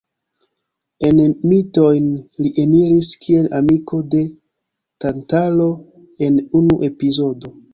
En mitojn li eniris kiel amiko de Tantalo en unu epizodo.